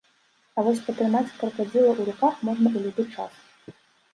А вось патрымаць кракадзіла ў руках можна ў любы час.